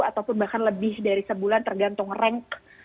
ataupun bahkan lebih dari sebulan tergantung rank